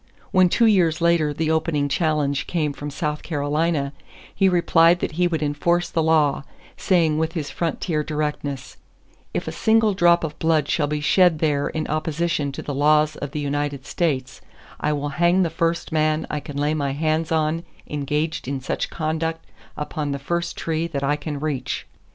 When two years later the open challenge came from South Carolina, he replied that he would enforce the law, saying with his frontier directness: "If a single drop of blood shall be shed there in opposition to the laws of the United States, I will hang the first man I can lay my hands on engaged in such conduct upon the first tree that I can reach."